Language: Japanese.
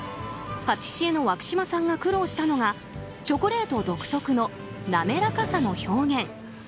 パティシエの涌嶋さんが苦労したのがチョコレート独特の滑らかさの表現。